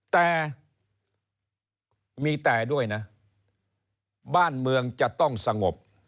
แต่มีแต่ด้วยนะบ้านเมืองจะต้องสงบ